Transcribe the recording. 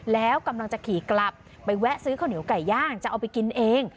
แล้วกำลังจะขี่กลับไปแวะซื้อข้าวเหนียวไก่ย่างจะเอาไปกินเอง